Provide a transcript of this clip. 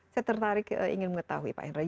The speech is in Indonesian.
saya tertarik ingin mengetahui pak hendra